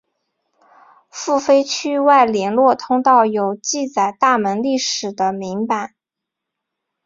付费区外联络通道有记载大门历史的铭版。